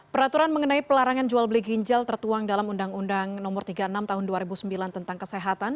peraturan mengenai pelarangan jual beli ginjal tertuang dalam undang undang no tiga puluh enam tahun dua ribu sembilan tentang kesehatan